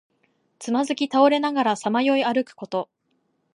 つまずき倒れながらさまよい歩くこと。